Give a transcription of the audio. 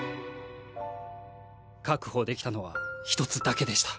確保できたのは１つだけでした。